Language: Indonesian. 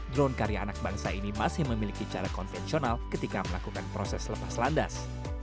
drone karya anak bangsa ini masih memiliki cara konvensional ketika melakukan proses lepas landas